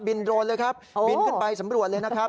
โดรนเลยครับบินขึ้นไปสำรวจเลยนะครับ